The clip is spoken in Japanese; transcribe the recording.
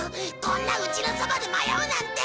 こんな家のそばで迷うなんて！